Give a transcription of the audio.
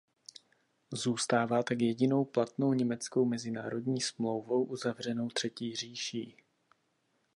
Zůstává tak jedinou platnou německou mezinárodní smlouvou uzavřenou Třetí říší.